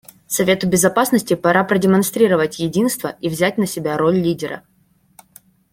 Совету Безопасности пора продемонстрировать единство и взять на себя роль лидера.